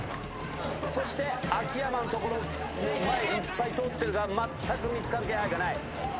そして秋山の所も前いっぱい通ってるがまったく見つかる気配がない。